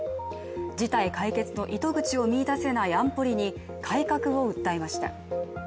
事態解決の糸口を見いだせない安保理に改革を訴えました。